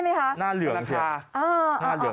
ใช่ไหมคะหน้าเหลืองเดี๋ยวบนหัว